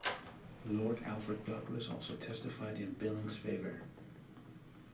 Lord Alfred Douglas also testified in Billing's favour.